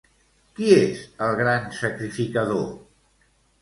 Qui és el gran sacrificador?